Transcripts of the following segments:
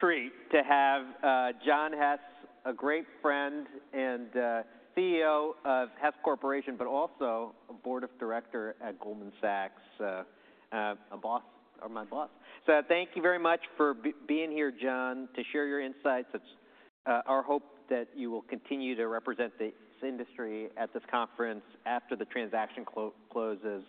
Pleased to have John Hess, a great friend and CEO of Hess Corporation, but also a board director at Goldman Sachs, a boss or my boss. So thank you very much for being here, John, to share your insights. It's our hope that you will continue to represent this industry at this conference after the transaction closes.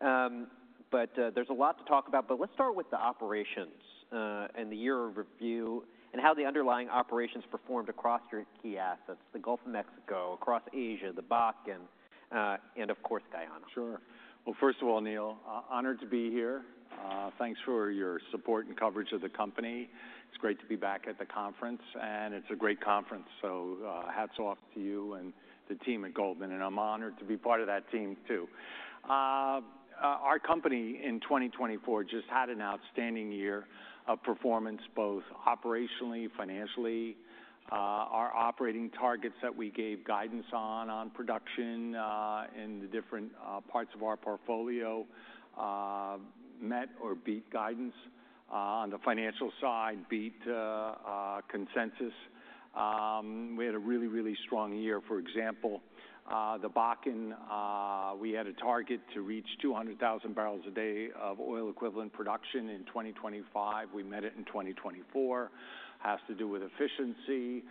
But there's a lot to talk about. But let's start with the operations and the year in review and how the underlying operations performed across your key assets, the Gulf of Mexico, across Asia, the Bakken, and of course, Guyana. Sure, well, first of all, Neil, honored to be here. Thanks for your support and coverage of the company. It's great to be back at the conference, and it's a great conference. So hats off to you and the team at Goldman, and I'm honored to be part of that team too. Our company in 2024 just had an outstanding year of performance, both operationally and financially. Our operating targets that we gave guidance on, on production in the different parts of our portfolio, met or beat guidance. On the financial side, beat consensus. We had a really, really strong year. For example, the Bakken, we had a target to reach 200,000 barrels a day of oil equivalent production in 2025. We met it in 2024. Has to do with efficiency.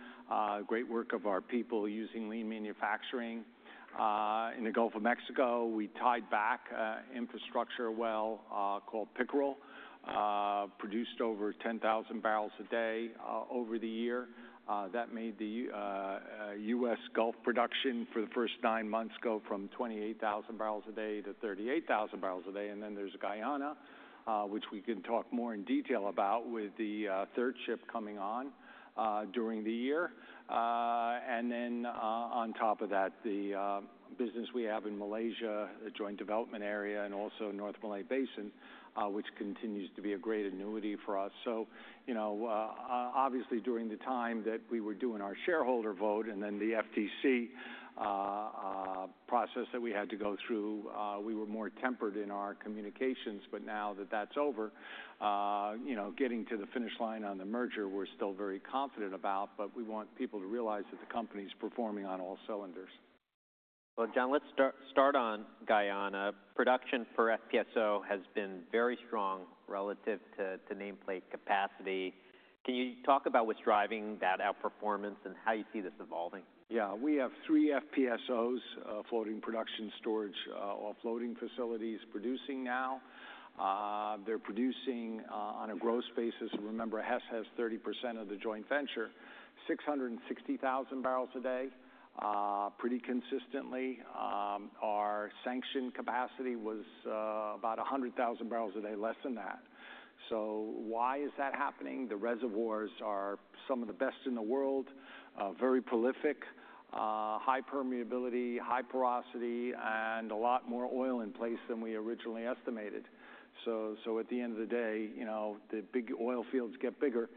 Great work of our people using lean manufacturing. In the Gulf of Mexico, we tied back infrastructure well called Pickerel, produced over 10,000 barrels a day over the year. That made the U.S. Gulf production for the first nine months go from 28,000 barrels a day to 38,000 barrels a day, and then there's Guyana, which we can talk more in detail about with the third ship coming on during the year. And then on top of that, the business we have in Malaysia, the Joint Development Area and also North Malay Basin, which continues to be a great annuity for us, so you know, obviously during the time that we were doing our shareholder vote and then the FTC process that we had to go through, we were more tempered in our communications. But now that that's over, you know, getting to the finish line on the merger, we're still very confident about, but we want people to realize that the company's performing on all cylinders. John, let's start on Guyana. Production for FPSO has been very strong relative to nameplate capacity. Can you talk about what's driving that outperformance and how you see this evolving? Yeah, we have three FPSOs, floating production, storage, offloading facilities producing now. They're producing on a gross basis. Remember, Hess has 30% of the joint venture, 660,000 barrels a day, pretty consistently. Our sanctioned capacity was about 100,000 barrels a day, less than that. So why is that happening? The reservoirs are some of the best in the world, very prolific, high permeability, high porosity, and a lot more oil in place than we originally estimated. So at the end of the day, you know, the big oil fields get bigger.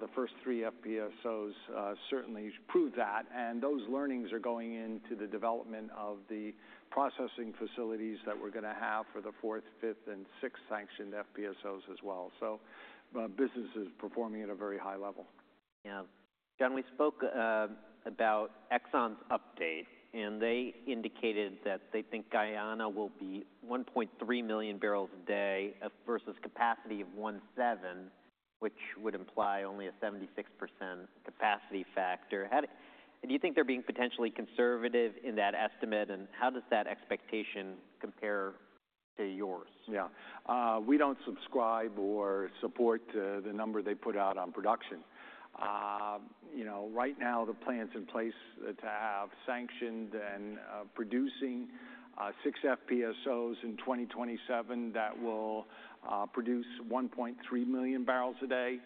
The first three FPSOs certainly prove that. And those learnings are going into the development of the processing facilities that we're going to have for the fourth, fifth, and sixth sanctioned FPSOs as well. So business is performing at a very high level. Yeah. John, we spoke about Exxon's update, and they indicated that they think Guyana will be 1.3 million barrels a day versus capacity of 1.7, which would imply only a 76% capacity factor. Do you think they're being potentially conservative in that estimate? And how does that expectation compare to yours? Yeah, we don't subscribe or support the number they put out on production. You know, right now the plan's in place to have sanctioned and producing six FPSOs in 2027 that will produce 1.3 million barrels a day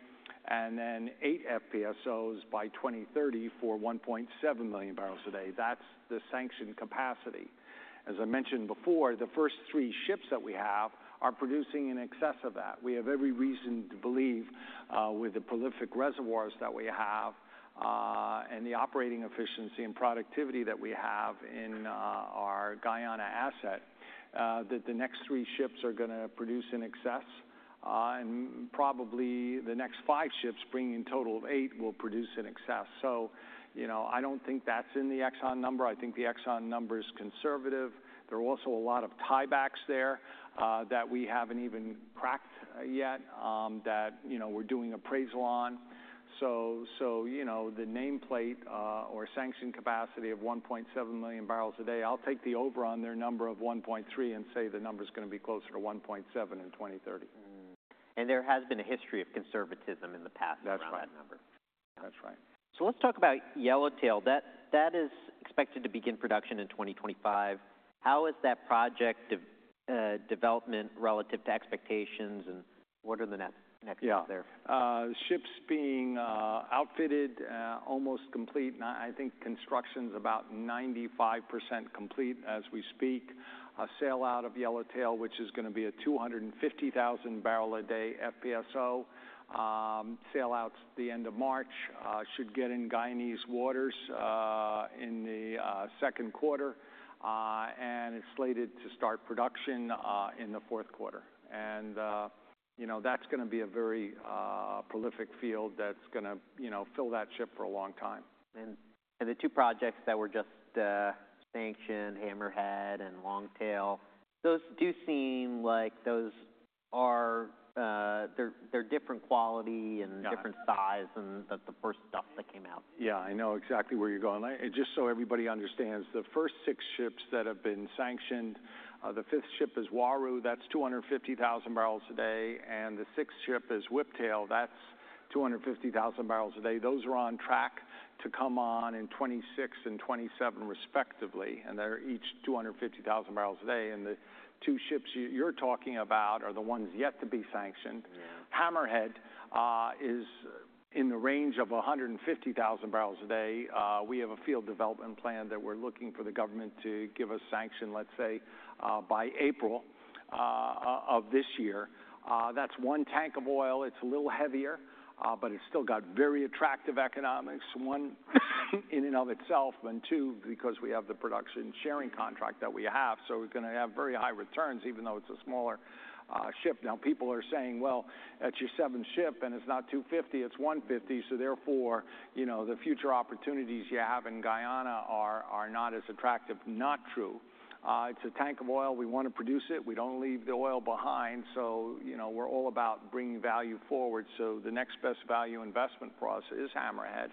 and then eight FPSOs by 2030 for 1.7 million barrels a day. That's the sanctioned capacity. As I mentioned before, the first three ships that we have are producing in excess of that. We have every reason to believe with the prolific reservoirs that we have and the operating efficiency and productivity that we have in our Guyana asset that the next three ships are going to produce in excess. And probably the next five ships bringing a total of eight will produce in excess. So, you know, I don't think that's in the Exxon number. I think the Exxon number is conservative. There are also a lot of tiebacks there that we haven't even cracked yet that, you know, we're doing appraisal on. So, you know, the nameplate or sanctioned capacity of 1.7 million barrels a day, I'll take the over on their number of 1.3 and say the number is going to be closer to 1.7 in 2030. There has been a history of conservatism in the past around that number. That's right. So let's talk about Yellowtail. That is expected to begin production in 2025. How is that project development relative to expectations and what are the next steps there? Yeah, ships being outfitted almost complete. I think construction is about 95% complete as we speak. Sail out of Yellowtail, which is going to be a 250,000 barrel a day FPSO, sails out the end of March, should get in Guyanese waters in the second quarter and is slated to start production in the fourth quarter. You know, that's going to be a very prolific field that's going to, you know, fill that ship for a long time. And the two projects that were just sanctioned, Hammerhead and Longtail, those do seem like they’re different quality and different size than the first stuff that came out. Yeah, I know exactly where you're going. Just so everybody understands, the first six ships that have been sanctioned, the fifth ship is Uaru, that's 250,000 barrels a day. And the sixth ship is Whiptail, that's 250,000 barrels a day. Those are on track to come on in 2026 and 2027 respectively. And they're each 250,000 barrels a day. And the two ships you're talking about are the ones yet to be sanctioned. Hammerhead is in the range of 150,000 barrels a day. We have a field development plan that we're looking for the government to give us sanction, let's say by April of this year. That's one tank of oil. It's a little heavier, but it's still got very attractive economics, one in and of itself, and two, because we have the production sharing contract that we have. So we're going to have very high returns even though it's a smaller ship. Now people are saying, well, that's your seventh ship and it's not 250, it's 150. So therefore, you know, the future opportunities you have in Guyana are not as attractive. Not true. It's a tank of oil. We want to produce it. We don't leave the oil behind. So, you know, we're all about bringing value forward. So the next best value investment for us is Hammerhead.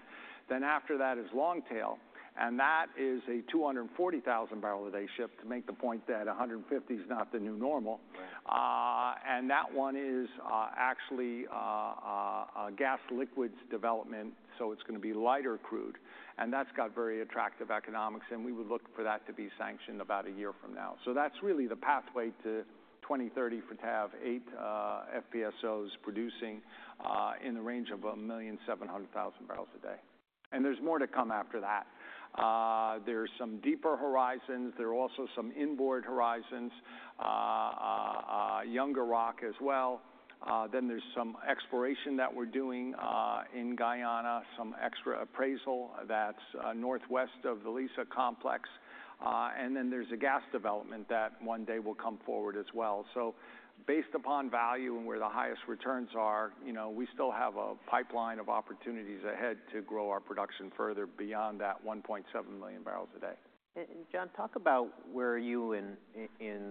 Then after that is Longtail. And that is a 240,000 barrel a day ship to make the point that 150 is not the new normal. And that one is actually gas liquids development. So it's going to be lighter crude. And that's got very attractive economics. And we would look for that to be sanctioned about a year from now. So that's really the pathway to 2030 for to have eight FPSOs producing in the range of 1,700,000 barrels a day. And there's more to come after that. There's some deeper horizons. There are also some inboard horizons, younger rock as well. Then there's some exploration that we're doing in Guyana, some extra appraisal that's northwest of the Liza complex. And then there's a gas development that one day will come forward as well. So based upon value and where the highest returns are, you know, we still have a pipeline of opportunities ahead to grow our production further beyond that 1.7 million barrels a day. John, talk about where you and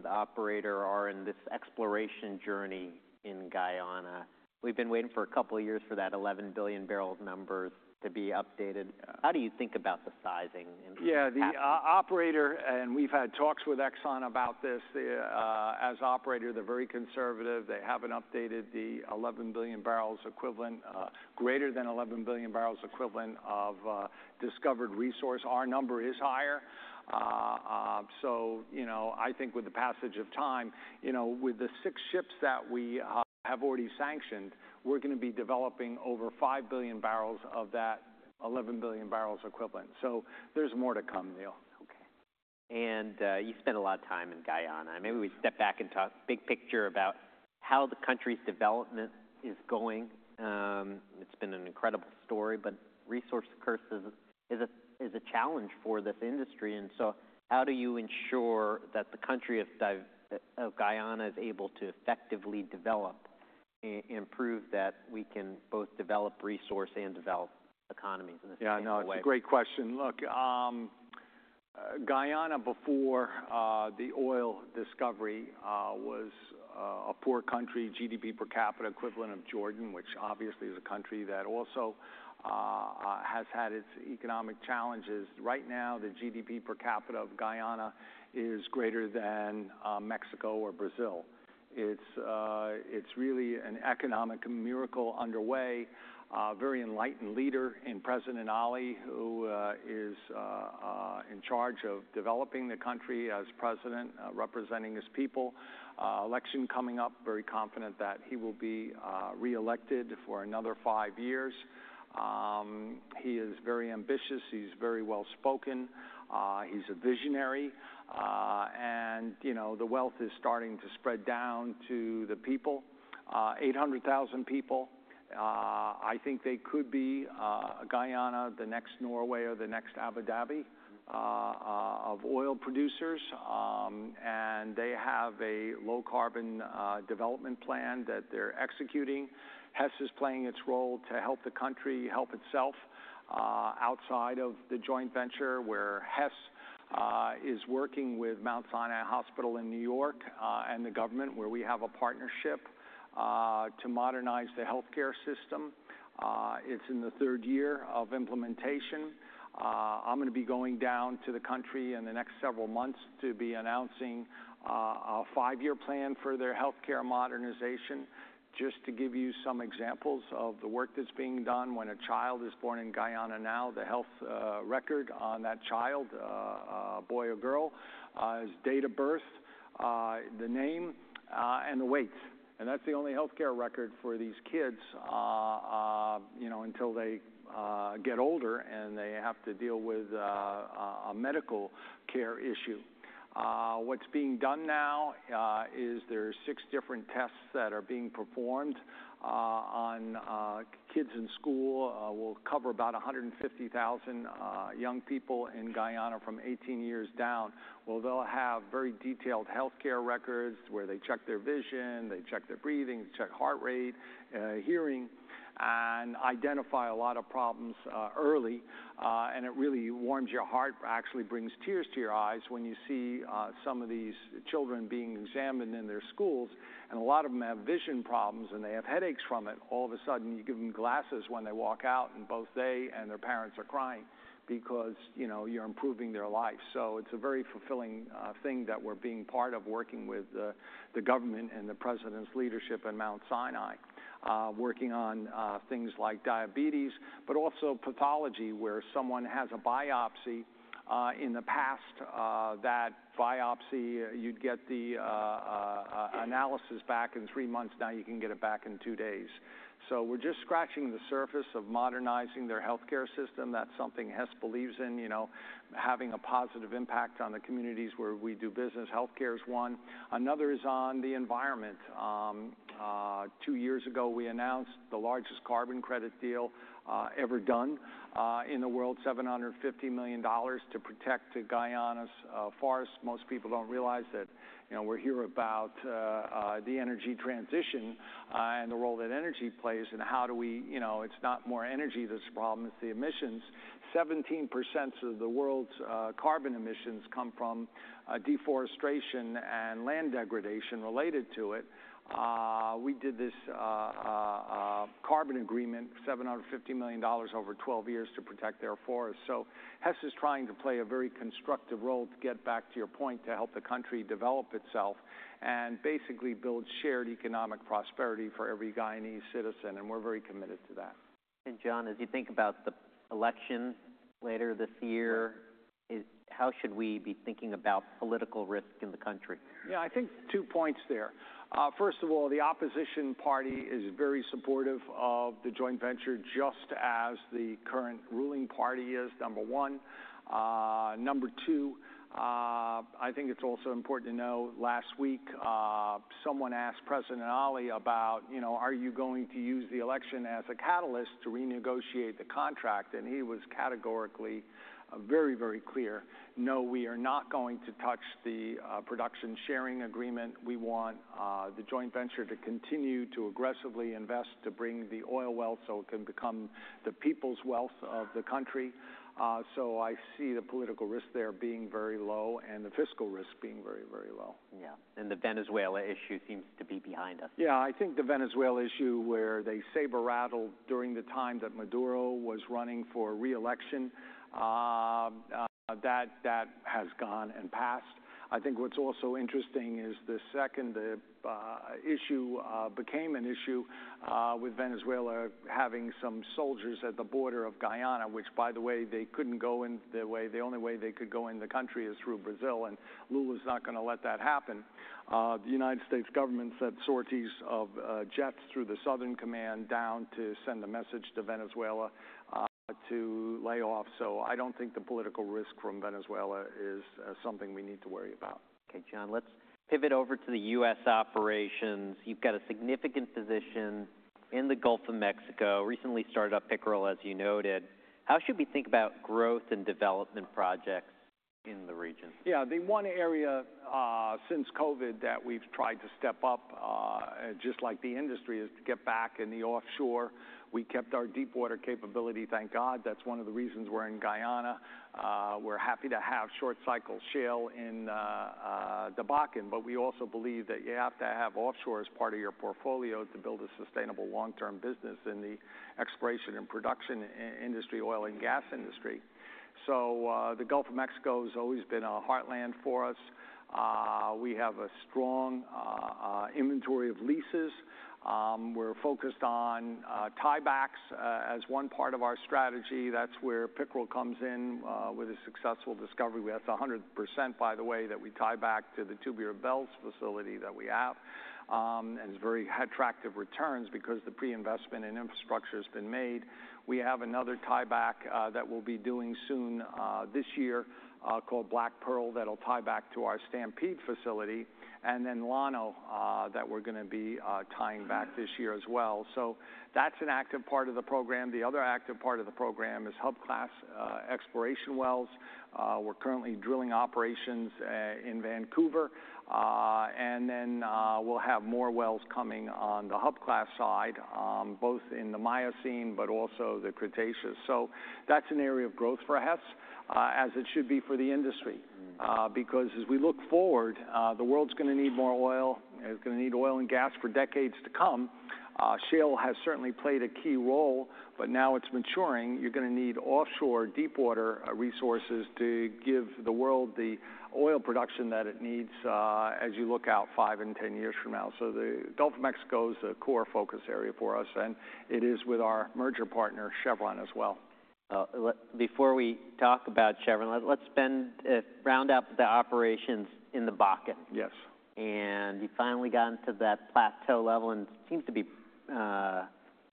the operator are in this exploration journey in Guyana. We've been waiting for a couple of years for that 11 billion barrel numbers to be updated. How do you think about the sizing? Yeah, the operator, and we've had talks with Exxon about this. As operator, they're very conservative. They haven't updated the 11 billion barrels equivalent, greater than 11 billion barrels equivalent of discovered resource. Our number is higher. So, you know, I think with the passage of time, you know, with the six ships that we have already sanctioned, we're going to be developing over 5 billion barrels of that 11 billion barrels equivalent. So there's more to come, Neil. Okay. And you spent a lot of time in Guyana. Maybe we step back and talk big picture about how the country's development is going. It's been an incredible story, but resource curse is a challenge for this industry. And so how do you ensure that the country of Guyana is able to effectively develop and prove that we can both develop resource and develop economies? Yeah, no, it's a great question. Look, Guyana before the oil discovery was a poor country, GDP per capita equivalent of Jordan, which obviously is a country that also has had its economic challenges. Right now, the GDP per capita of Guyana is greater than Mexico or Brazil. It's really an economic miracle underway. Very enlightened leader and President Ali, who is in charge of developing the country as president, representing his people. Election coming up, very confident that he will be reelected for another five years. He is very ambitious. He's very well spoken. He's a visionary, and, you know, the wealth is starting to spread down to the people, 800,000 people. I think they could be Guyana, the next Norway, or the next Abu Dhabi of oil producers. They have a low carbon development plan that they're executing. Hess is playing its role to help the country help itself outside of the joint venture where Hess is working with Mount Sinai Hospital in New York and the government where we have a partnership to modernize the healthcare system. It's in the third year of implementation. I'm going to be going down to the country in the next several months to be announcing a five-year plan for their healthcare modernization. Just to give you some examples of the work that's being done when a child is born in Guyana now, the health record on that child, boy or girl, is date of birth, the name, and the weight. And that's the only healthcare record for these kids, you know, until they get older and they have to deal with a medical care issue. What's being done now is there are six different tests that are being performed on kids in school. We'll cover about 150,000 young people in Guyana from 18 years down. They'll have very detailed healthcare records where they check their vision, they check their breathing, check heart rate, hearing, and identify a lot of problems early. It really warms your heart, actually brings tears to your eyes when you see some of these children being examined in their schools. A lot of them have vision problems and they have headaches from it. All of a sudden, you give them glasses when they walk out and both they and their parents are crying because, you know, you're improving their life. So it's a very fulfilling thing that we're being part of working with the government and the president's leadership at Mount Sinai, working on things like diabetes, but also pathology where someone has a biopsy in the past. That biopsy, you'd get the analysis back in three months. Now you can get it back in two days. So we're just scratching the surface of modernizing their healthcare system. That's something Hess believes in, you know, having a positive impact on the communities where we do business. Healthcare is one. Another is on the environment. Two years ago, we announced the largest carbon credit deal ever done in the world, $750 million to protect Guyana's forests. Most people don't realize that, you know, we're here about the energy transition and the role that energy plays and how do we, you know, it's not more energy that's the problem, it's the emissions. 17% of the world's carbon emissions come from deforestation and land degradation related to it. We did this carbon agreement, $750 million over 12 years to protect their forests. So Hess is trying to play a very constructive role to get back to your point to help the country develop itself and basically build shared economic prosperity for every Guyanese citizen. And we're very committed to that. John, as you think about the election later this year, how should we be thinking about political risk in the country? Yeah, I think two points there. First of all, the opposition party is very supportive of the joint venture just as the current ruling party is, number one. Number two, I think it's also important to know last week someone asked President Ali about, you know, are you going to use the election as a catalyst to renegotiate the contract? And he was categorically very, very clear, no, we are not going to touch the Production Sharing Agreement. We want the joint venture to continue to aggressively invest to bring the oil online so it can become the people's wealth of the country. So I see the political risk there being very low and the fiscal risk being very, very low. Yeah, and the Venezuela issue seems to be behind us. Yeah, I think the Venezuela issue where they saber-rattled during the time that Maduro was running for reelection, that has gone and passed. I think what's also interesting is the second issue became an issue with Venezuela having some soldiers at the border of Guyana, which by the way, they couldn't go in. The way, the only way they could go in the country is through Brazil, and Lula is not going to let that happen. The United States government sent sorties of jets through the Southern Command down to send a message to Venezuela to lay off, so I don't think the political risk from Venezuela is something we need to worry about. Okay, John, let's pivot over to the U.S. operations. You've got a significant position in the Gulf of Mexico, recently started up Pickerel, as you noted. How should we think about growth and development projects in the region? Yeah, the one area since COVID that we've tried to step up, just like the industry, is to get back in the offshore. We kept our deep water capability, thank God. That's one of the reasons we're in Guyana. We're happy to have short cycle shale in the Bakken, but we also believe that you have to have offshore as part of your portfolio to build a sustainable long-term business in the exploration and production industry, oil and gas industry. So the Gulf of Mexico has always been a heartland for us. We have a strong inventory of leases. We're focused on tiebacks as one part of our strategy. That's where Pickerel comes in with a successful discovery. That's 100%, by the way, that we tie back to the Tubular Bells facility that we have. And it's very attractive returns because the pre-investment and infrastructure has been made. We have another tieback that we'll be doing soon this year called Black Pearl that'll tie back to our Stampede facility, and then Llano that we're going to be tying back this year as well, so that's an active part of the program. The other active part of the program is hub class exploration wells. We're currently drilling operations in Vancouver, and then we'll have more wells coming on the hub class side, both in the Miocene, but also the Cretaceous, so that's an area of growth for Hess, as it should be for the industry, because as we look forward, the world's going to need more oil. It's going to need oil and gas for decades to come. Shale has certainly played a key role, but now it's maturing. You're going to need offshore deep water resources to give the world the oil production that it needs as you look out five and 10 years from now. So the Gulf of Mexico is a core focus area for us. And it is with our merger partner, Chevron, as well. Before we talk about Chevron, let's round up the operations in the Bakken. Yes. And you finally got into that plateau level and seems to be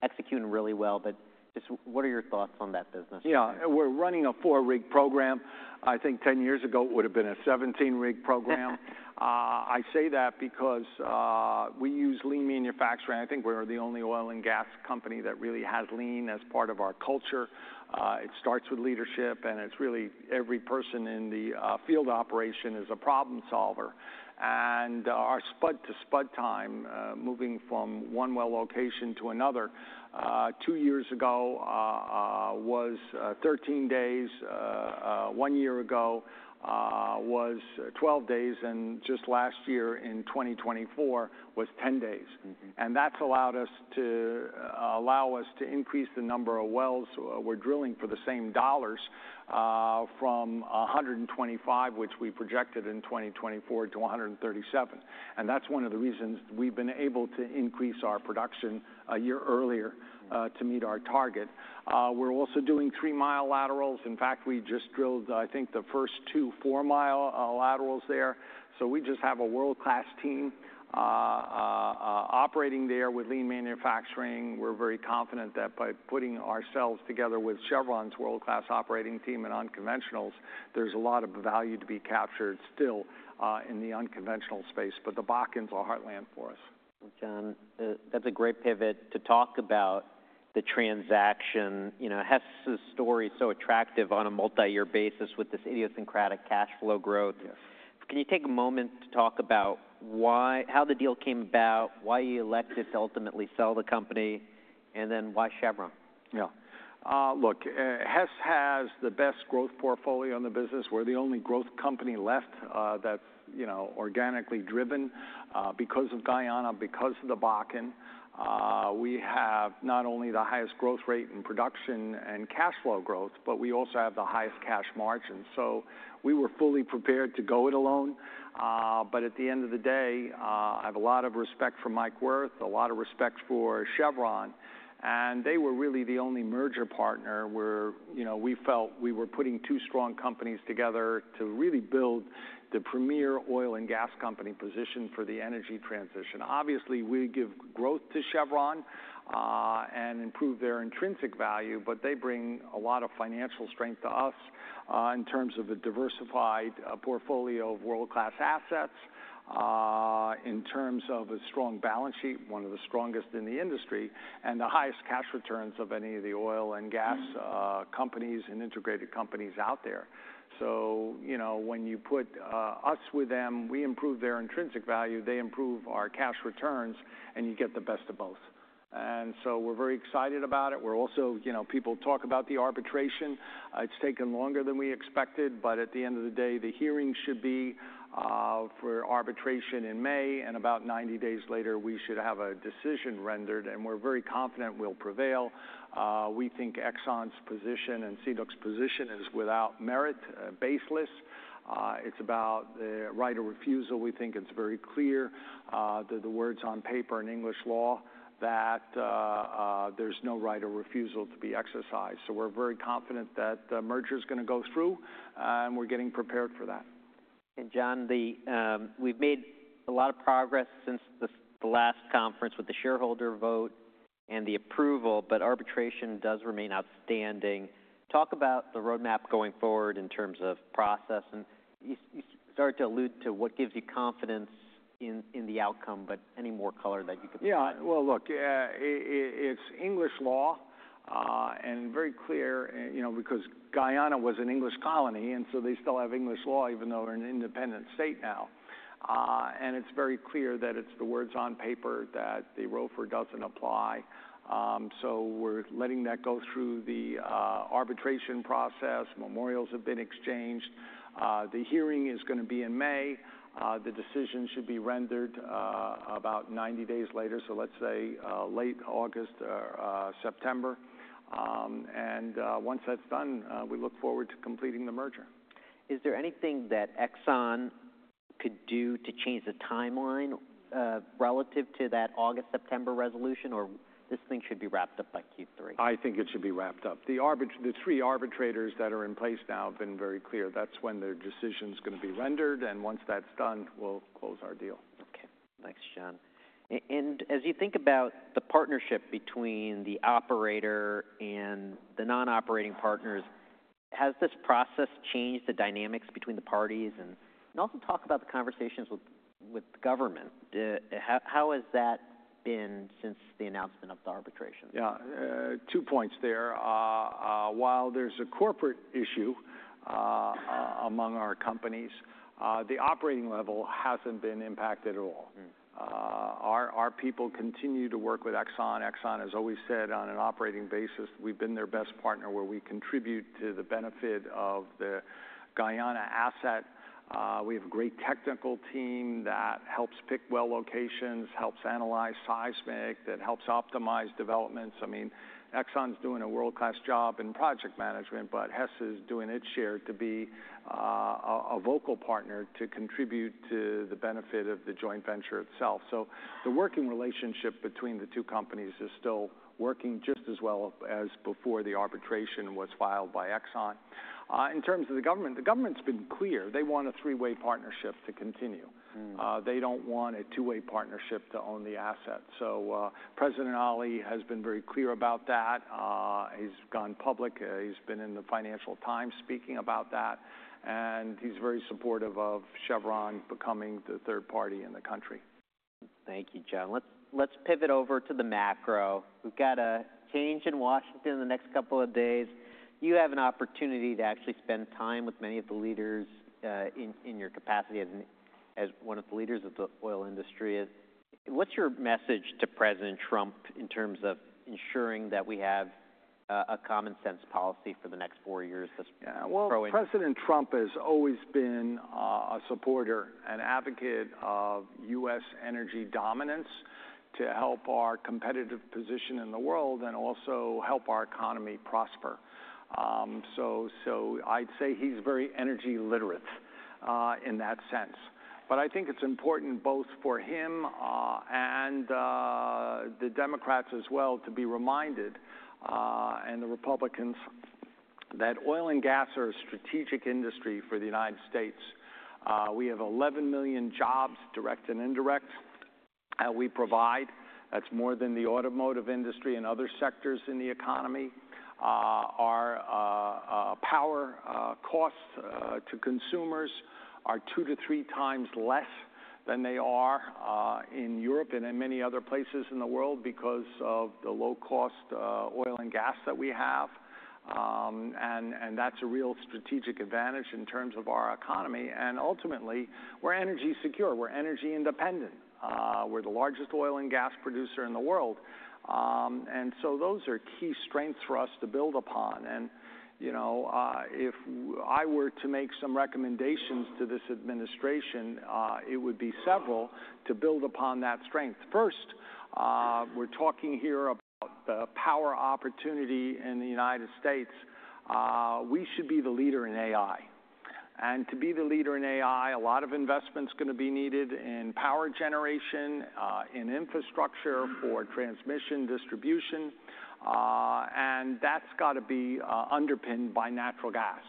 executing really well. But just what are your thoughts on that business? Yeah, we're running a four-rig program. I think ten years ago it would have been a 17-rig program. I say that because we use lean manufacturing. I think we're the only oil and gas company that really has lean as part of our culture. It starts with leadership. And it's really every person in the field operation is a problem solver. And our spud-to-spud time moving from one well location to another two years ago was 13 days. One year ago was 12 days. And just last year in 2024 was 10 days. And that's allowed us to increase the number of wells we're drilling for the same dollars from 125, which we projected in 2024 to 137. And that's one of the reasons we've been able to increase our production a year earlier to meet our target. We're also doing three-mile laterals. In fact, we just drilled, I think the first two four-mile laterals there. So we just have a world-class team operating there with lean manufacturing. We're very confident that by putting ourselves together with Chevron's world-class operating team and unconventionals, there's a lot of value to be captured still in the unconventional space. But the Bakken is heartland for us. John, that's a great pivot to talk about the transaction. You know, Hess's story is so attractive on a multi-year basis with this idiosyncratic cash flow growth. Can you take a moment to talk about why and how the deal came about, why you elected to ultimately sell the company, and then why Chevron? Yeah. Look, Hess has the best growth portfolio in the business. We're the only growth company left that's, you know, organically driven because of Guyana, because of the Bakken. We have not only the highest growth rate in production and cash flow growth, but we also have the highest cash margin. So we were fully prepared to go it alone. But at the end of the day, I have a lot of respect for Mike Wirth, a lot of respect for Chevron. And they were really the only merger partner where, you know, we felt we were putting two strong companies together to really build the premier oil and gas company position for the energy transition. Obviously, we give growth to Chevron and improve their intrinsic value, but they bring a lot of financial strength to us in terms of a diversified portfolio of world-class assets, in terms of a strong balance sheet, one of the strongest in the industry, and the highest cash returns of any of the oil and gas companies and integrated companies out there. So, you know, when you put us with them, we improve their intrinsic value, they improve our cash returns, and you get the best of both. And so we're very excited about it. We're also, you know, people talk about the arbitration. It's taken longer than we expected, but at the end of the day, the hearing should be for arbitration in May. And about 90 days later, we should have a decision rendered. And we're very confident we'll prevail. We think Exxon's position and CNOOC's position is without merit, baseless. It's about the right of refusal. We think it's very clear that the words on paper in English law that there's no right of refusal to be exercised. So we're very confident that the merger is going to go through and we're getting prepared for that. And John, we've made a lot of progress since the last conference with the shareholder vote and the approval, but arbitration does remain outstanding. Talk about the roadmap going forward in terms of process. And you started to allude to what gives you confidence in the outcome, but any more color that you could. Yeah. Well, look, it's English law and very clear, you know, because Guyana was an English colony. And so they still have English law, even though they're an independent state now. And it's very clear that it's the words on paper that the ROFR doesn't apply. So we're letting that go through the arbitration process. Memorials have been exchanged. The hearing is going to be in May. The decision should be rendered about 90 days later. So let's say late August or September. And once that's done, we look forward to completing the merger. Is there anything that Exxon could do to change the timeline relative to that August-September resolution, or this thing should be wrapped up by Q3? I think it should be wrapped up. The three arbitrators that are in place now have been very clear. That's when their decision is going to be rendered, and once that's done, we'll close our deal. Okay. Thanks, John. And as you think about the partnership between the operator and the non-operating partners, has this process changed the dynamics between the parties? And also talk about the conversations with government. How has that been since the announcement of the arbitration? Yeah. Two points there. While there's a corporate issue among our companies, the operating level hasn't been impacted at all. Our people continue to work with Exxon. Exxon has always said on an operating basis, we've been their best partner where we contribute to the benefit of the Guyana asset. We have a great technical team that helps pick well locations, helps analyze seismic, that helps optimize developments. I mean, Exxon is doing a world-class job in project management, but Hess is doing its share to be a vocal partner to contribute to the benefit of the joint venture itself. So the working relationship between the two companies is still working just as well as before the arbitration was filed by Exxon. In terms of the government, the government's been clear. They want a three-way partnership to continue. They don't want a two-way partnership to own the asset. President Ali has been very clear about that. He's gone public. He's been in the Financial Times speaking about that. He's very supportive of Chevron becoming the third party in the country. Thank you, John. Let's pivot over to the macro. We've got a change in Washington in the next couple of days. You have an opportunity to actually spend time with many of the leaders in your capacity as one of the leaders of the oil industry. What's your message to President Trump in terms of ensuring that we have a common sense policy for the next four years? President Trump has always been a supporter, an advocate of U.S. energy dominance to help our competitive position in the world and also help our economy prosper. I'd say he's very energy literate in that sense. I think it's important both for him and the Democrats as well to be reminded and the Republicans that oil and gas are a strategic industry for the United States. We have 11 million jobs, direct and indirect, that we provide. That's more than the automotive industry and other sectors in the economy. Our power costs to consumers are two to three times less than they are in Europe and in many other places in the world because of the low cost oil and gas that we have. That's a real strategic advantage in terms of our economy. Ultimately, we're energy secure. We're energy independent. We're the largest oil and gas producer in the world, and so those are key strengths for us to build upon. And, you know, if I were to make some recommendations to this administration, it would be several to build upon that strength. First, we're talking here about the power opportunity in the United States. We should be the leader in AI, and to be the leader in AI, a lot of investment is going to be needed in power generation, in infrastructure for transmission distribution. And that's got to be underpinned by natural gas.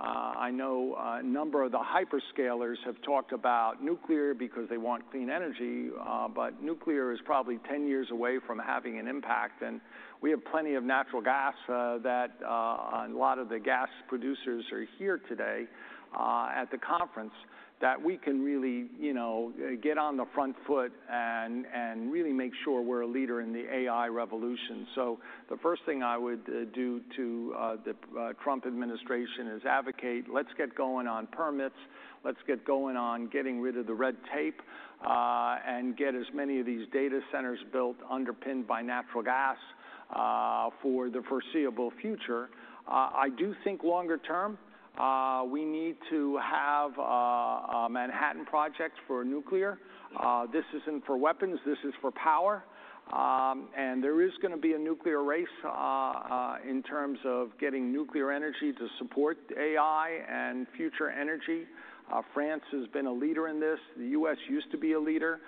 I know a number of the hyperscalers have talked about nuclear because they want clean energy, but nuclear is probably ten years away from having an impact. And we have plenty of natural gas that a lot of the gas producers are here today at the conference that we can really, you know, get on the front foot and really make sure we're a leader in the AI revolution. So the first thing I would do to the Trump administration is advocate. Let's get going on permits. Let's get going on getting rid of the red tape and get as many of these data centers built underpinned by natural gas for the foreseeable future. I do think longer term we need to have a Manhattan Project for nuclear. This isn't for weapons. This is for power. And there is going to be a nuclear race in terms of getting nuclear energy to support AI and future energy. France has been a leader in this. The U.S. used to be a leader.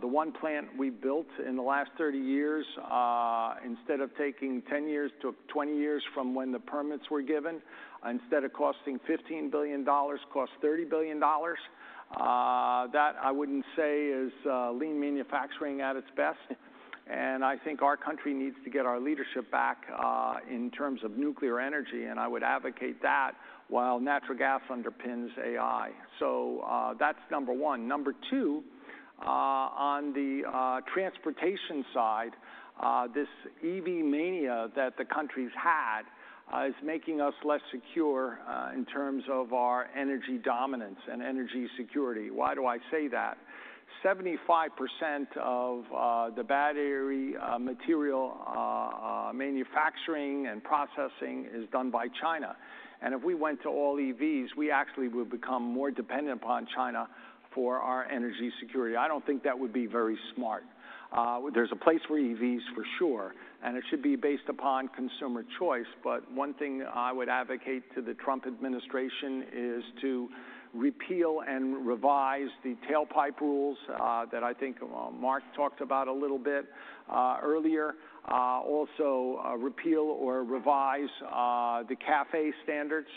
The one plant we built in the last 30 years, instead of taking 10 years, took 20 years from when the permits were given. Instead of costing $15 billion, cost $30 billion. That I wouldn't say is lean manufacturing at its best. And I think our country needs to get our leadership back in terms of nuclear energy. And I would advocate that while natural gas underpins AI. So that's number one. Number two, on the transportation side, this EV mania that the country's had is making us less secure in terms of our energy dominance and energy security. Why do I say that? 75% of the battery material manufacturing and processing is done by China. And if we went to all EVs, we actually would become more dependent upon China for our energy security. I don't think that would be very smart. There's a place for EVs for sure. It should be based upon consumer choice. One thing I would advocate to the Trump administration is to repeal and revise the tailpipe rules that I think Mark talked about a little bit earlier. Also repeal or revise the CAFE standards.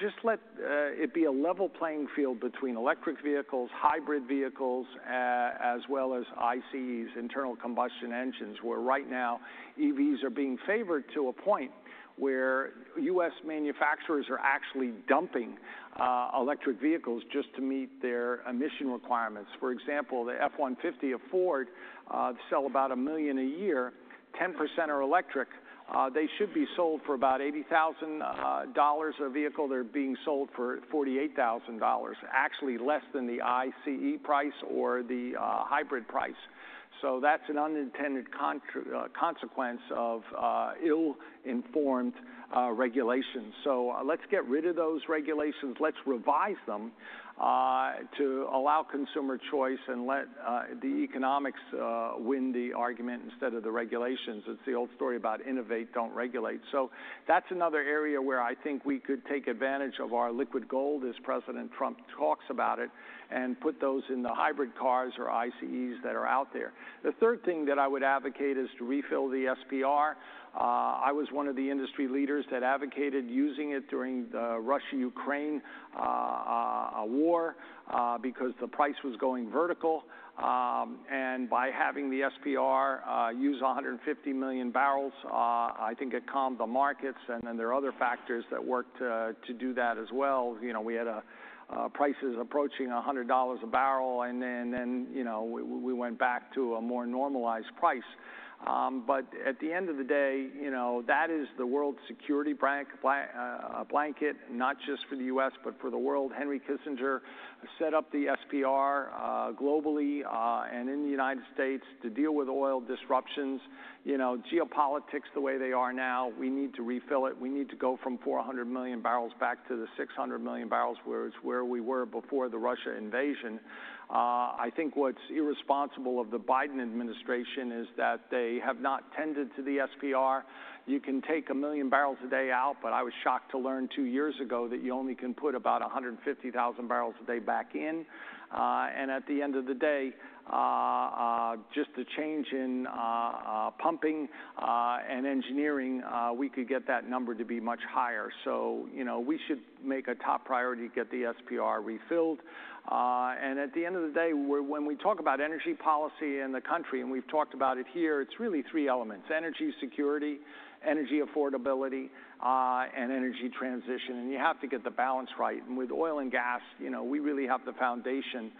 Just let it be a level playing field between electric vehicles, hybrid vehicles, as well as ICEs, internal combustion engines, where right now EVs are being favored to a point where U.S. manufacturers are actually dumping electric vehicles just to meet their emission requirements. For example, the F-150 of Ford sells about a million a year. 10% are electric. They should be sold for about $80,000 a vehicle. They're being sold for $48,000, actually less than the ICE price or the hybrid price. That's an unintended consequence of ill-informed regulations. Let's get rid of those regulations. Let's revise them to allow consumer choice and let the economics win the argument instead of the regulations. It's the old story about innovate, don't regulate. So that's another area where I think we could take advantage of our liquid gold as President Trump talks about it and put those in the hybrid cars or ICEs that are out there. The third thing that I would advocate is to refill the SPR. I was one of the industry leaders that advocated using it during the Russia-Ukraine war because the price was going vertical. And by having the SPR use 150 million barrels, I think it calmed the markets. And then there are other factors that worked to do that as well. You know, we had prices approaching $100 a barrel. And then, you know, we went back to a more normalized price. But at the end of the day, you know, that is the world's security blanket, not just for the U.S., but for the world. Henry Kissinger set up the SPR globally and in the United States to deal with oil disruptions. You know, geopolitics, the way they are now, we need to refill it. We need to go from 400 million barrels back to the 600 million barrels where we were before the Russia invasion. I think what's irresponsible of the Biden administration is that they have not tended to the SPR. You can take a million barrels a day out, but I was shocked to learn two years ago that you only can put about 150,000 barrels a day back in. And at the end of the day, just the change in pumping and engineering, we could get that number to be much higher. So, you know, we should make a top priority to get the SPR refilled. And at the end of the day, when we talk about energy policy in the country, and we've talked about it here, it's really three elements: energy security, energy affordability, and energy transition. And you have to get the balance right. And with oil and gas, you know, we really have the foundation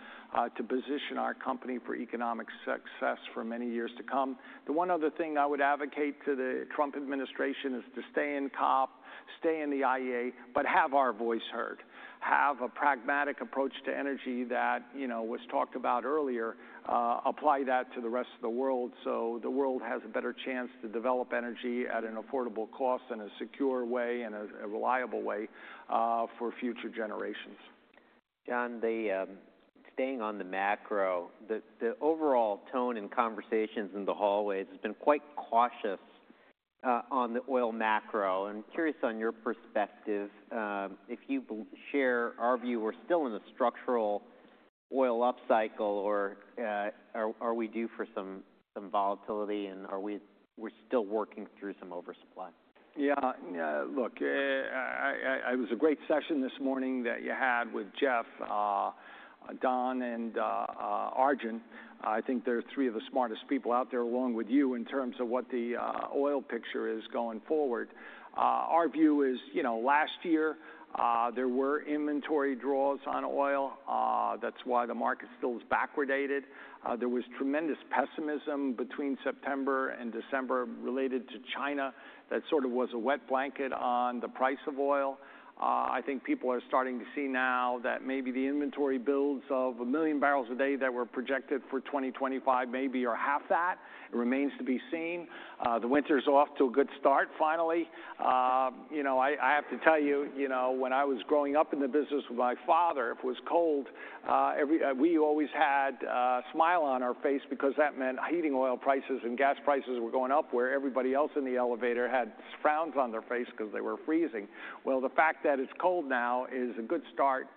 to position our company for economic success for many years to come. The one other thing I would advocate to the Trump administration is to stay in COP, stay in the IEA, but have our voice heard. Have a pragmatic approach to energy that, you know, was talked about earlier. Apply that to the rest of the world so the world has a better chance to develop energy at an affordable cost, in a secure way, and a reliable way for future generations. John, staying on the macro, the overall tone in conversations in the hallways has been quite cautious on the oil macro, and curious on your perspective, if you share, are we still in a structural oil upcycle or are we due for some volatility and are we still working through some oversupply? Yeah. Look, it was a great session this morning that you had with Jeff, Daan, and Arjun. I think they're three of the smartest people out there along with you in terms of what the oil picture is going forward. Our view is, you know, last year there were inventory draws on oil. That's why the market still is backwardated. There was tremendous pessimism between September and December related to China. That sort of was a wet blanket on the price of oil. I think people are starting to see now that maybe the inventory builds of a million barrels a day that were projected for 2025 maybe are 500,000 barrels a day. It remains to be seen. The winter's off to a good start finally. You know, I have to tell you, you know, when I was growing up in the business with my father, if it was cold, we always had a smile on our face because that meant heating oil prices and gas prices were going up while everybody else in the elevator had frowns on their face because they were freezing. Well, the fact that it's cold now is a good start.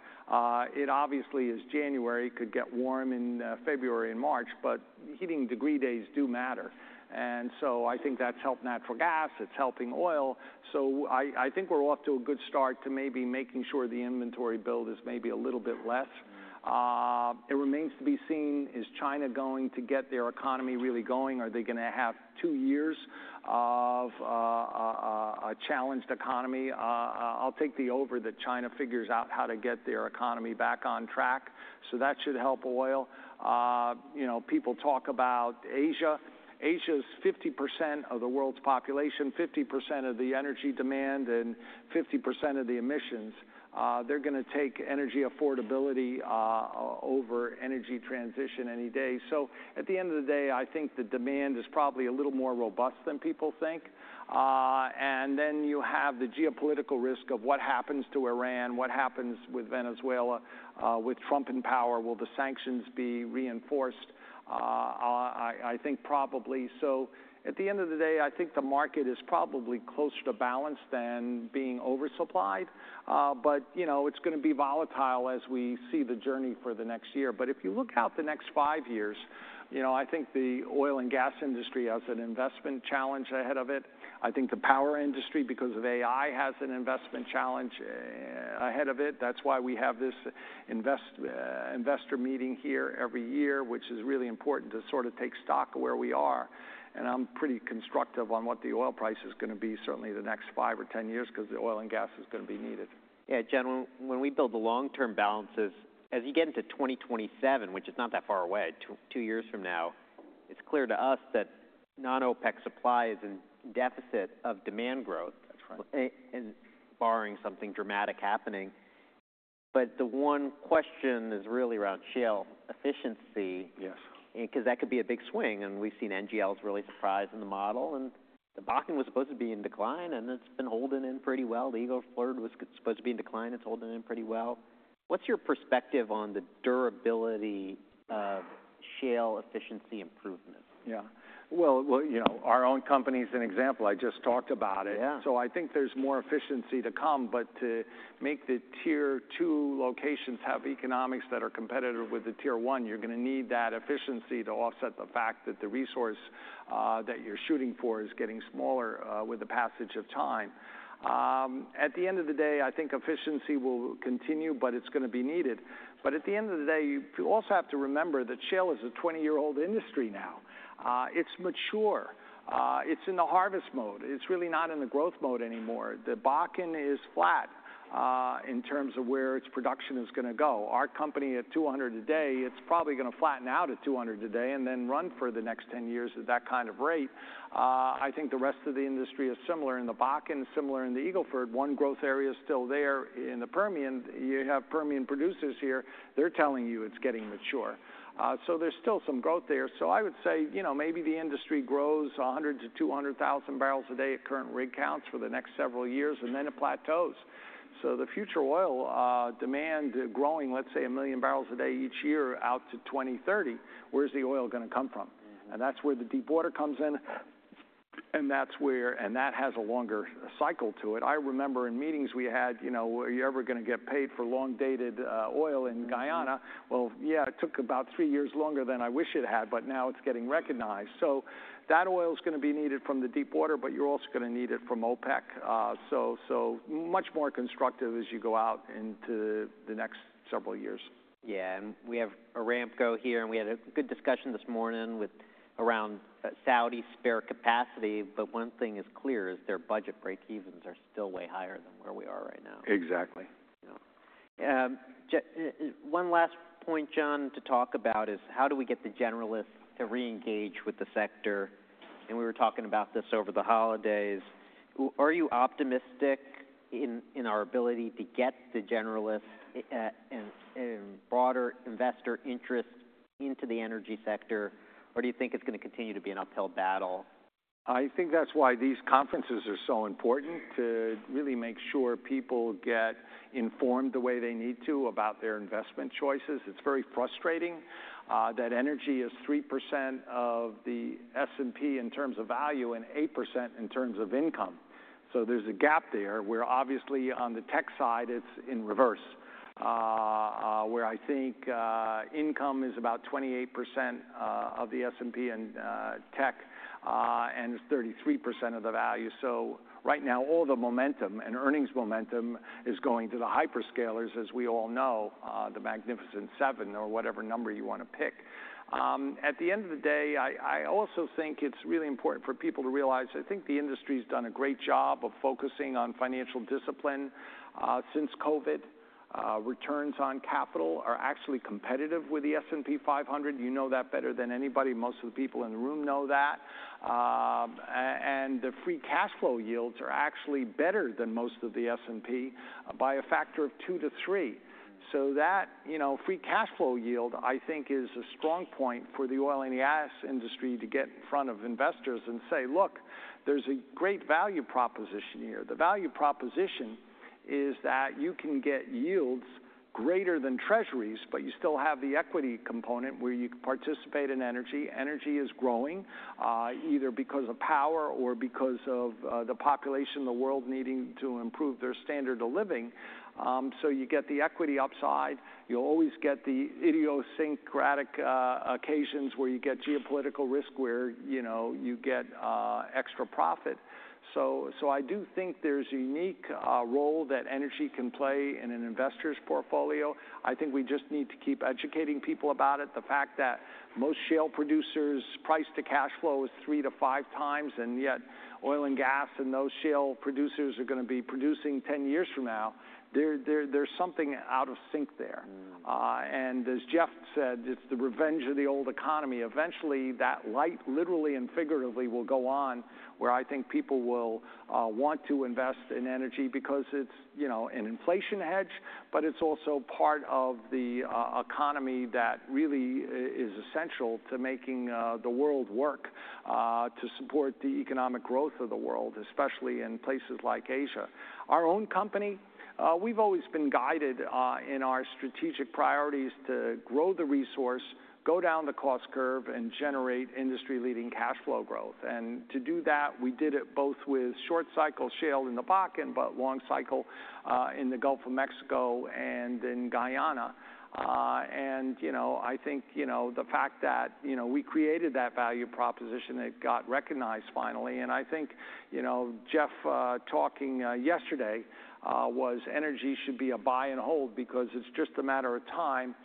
It obviously is January. It could get warm in February and March, but heating degree days do matter. And so I think that's helped natural gas. It's helping oil. So I think we're off to a good start to maybe making sure the inventory build is maybe a little bit less. It remains to be seen. Is China going to get their economy really going? Are they going to have two years of a challenged economy? I'll take the over that China figures out how to get their economy back on track. So that should help oil. You know, people talk about Asia. Asia's 50% of the world's population, 50% of the energy demand, and 50% of the emissions. They're going to take energy affordability over energy transition any day. So at the end of the day, I think the demand is probably a little more robust than people think. And then you have the geopolitical risk of what happens to Iran, what happens with Venezuela, with Trump in power. Will the sanctions be reinforced? I think probably so. At the end of the day, I think the market is probably closer to balance than being oversupplied. But, you know, it's going to be volatile as we see the journey for the next year. But if you look out the next five years, you know, I think the oil and gas industry has an investment challenge ahead of it. I think the power industry because of AI has an investment challenge ahead of it. That's why we have this investor meeting here every year, which is really important to sort of take stock of where we are. And I'm pretty constructive on what the oil price is going to be certainly the next five or 10 years because the oil and gas is going to be needed. Yeah. John, when we build the long-term balances, as you get into 2027, which is not that far away, two years from now, it's clear to us that non-OPEC supply is in deficit of demand growth. That's right. Barring something dramatic happening. The one question is really around shale efficiency. Yes. Because that could be a big swing. And we've seen NGLs really surprise in the model. And the Bakken was supposed to be in decline, and it's been holding in pretty well. The Eagle Ford was supposed to be in decline. It's holding in pretty well. What's your perspective on the durability of shale efficiency improvements? Yeah. Well, you know, our own company is an example. I just talked about it. Yeah. So I think there's more efficiency to come. But to make the tier two locations have economics that are competitive with the tier one, you're going to need that efficiency to offset the fact that the resource that you're shooting for is getting smaller with the passage of time. At the end of the day, I think efficiency will continue, but it's going to be needed. But at the end of the day, you also have to remember that shale is a 20-year-old industry now. It's mature. It's in the harvest mode. It's really not in the growth mode anymore. The Bakken is flat in terms of where its production is going to go. Our company at 200 a day, it's probably going to flatten out at 200 a day and then run for the next ten years at that kind of rate. I think the rest of the industry is similar. The Bakken is similar and the Eagle Ford. One growth area is still there in the Permian. You have Permian producers here. They're telling you it's getting mature. So there's still some growth there. So I would say, you know, maybe the industry grows 100,000-200,000 barrels a day at current rig counts for the next several years and then it plateaus. The future oil demand growing, let's say, a million barrels a day each year out to 2030, where's the oil going to come from? And that's where the deep water comes in. And that's where, and that has a longer cycle to it. I remember in meetings we had, you know, are you ever going to get paid for long-dated oil in Guyana? Well, yeah, it took about three years longer than I wish it had, but now it's getting recognized. So that oil is going to be needed from the deep water, but you're also going to need it from OPEC. So much more constructive as you go out into the next several years. Yeah. And we have a ramp-up here. And we had a good discussion this morning with regard to Saudi spare capacity. But one thing is clear: their budget break-evens are still way higher than where we are right now. Exactly. Yeah. One last point, John, to talk about is how do we get the generalists to reengage with the sector? And we were talking about this over the holidays. Are you optimistic in our ability to get the generalists and broader investor interest into the energy sector? Or do you think it's going to continue to be an uphill battle? I think that's why these conferences are so important to really make sure people get informed the way they need to about their investment choices. It's very frustrating that energy is 3% of the S&P in terms of value and 8% in terms of income. So there's a gap there where obviously on the tech side it's in reverse where I think income is about 28% of the S&P and tech and 33% of the value. So right now all the momentum and earnings momentum is going to the hyperscalers as we all know, the Magnificent Seven or whatever number you want to pick. At the end of the day, I also think it's really important for people to realize I think the industry has done a great job of focusing on financial discipline since COVID. Returns on capital are actually competitive with the S&P 500. You know that better than anybody. Most of the people in the room know that, and the free cash flow yields are actually better than most of the S&P by a factor of two to three, so that, you know, free cash flow yield I think is a strong point for the oil and gas industry to get in front of investors and say, look, there's a great value proposition here. The value proposition is that you can get yields greater than Treasuries, but you still have the equity component where you participate in energy. Energy is growing either because of power or because of the population in the world needing to improve their standard of living, so you get the equity upside. You'll always get the idiosyncratic occasions where you get geopolitical risk where, you know, you get extra profit. So I do think there's a unique role that energy can play in an investor's portfolio. I think we just need to keep educating people about it. The fact that most shale producers' price to cash flow is three to five times and yet oil and gas and those shale producers are going to be producing ten years from now. There's something out of sync there. And as Jeff said, it's the revenge of the old economy. Eventually that light literally and figuratively will go on where I think people will want to invest in energy because it's, you know, an inflation hedge, but it's also part of the economy that really is essential to making the world work to support the economic growth of the world, especially in places like Asia. Our own company, we've always been guided in our strategic priorities to grow the resource, go down the cost curve, and generate industry-leading cash flow growth. And to do that, we did it both with short-cycle shale in the Bakken, but long-cycle in the Gulf of Mexico and in Guyana. And, you know, I think, you know, the fact that, you know, we created that value proposition, it got recognized finally. And I think, you know, Jeff talking yesterday was energy should be a buy and hold because it's just a matter of time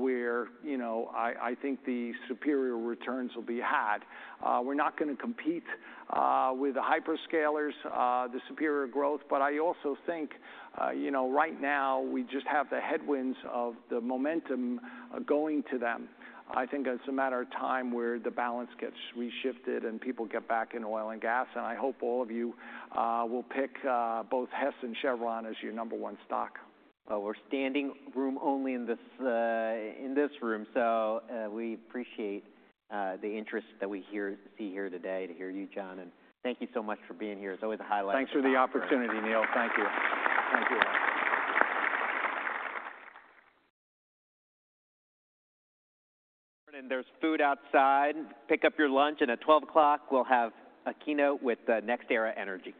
where, you know, I think the superior returns will be had. We're not going to compete with the hyperscalers, the superior growth. But I also think, you know, right now we just have the headwinds of the momentum going to them. I think it's a matter of time where the balance gets reshifted and people get back in oil and gas, and I hope all of you will pick both Hess and Chevron as your number one stock. We're standing room only in this room. So we appreciate the interest that we see here today to hear you, John. Thank you so much for being here. It's always a highlight. Thanks for the opportunity, Neil. Thank you. Thank you. There's food outside. Pick up your lunch. At 12:00 P.M. we'll have a keynote with the NextEra Energy.